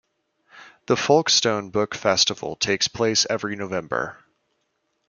The Folkestone Book Festival takes place every November.